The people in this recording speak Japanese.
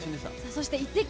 そして、イッテＱ！